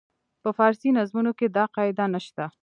په فارسي نظمونو کې دا قاعده نه شته.